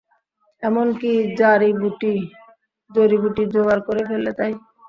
এমন কী জড়িবুটি জোগাড় করে ফেললে ভাই?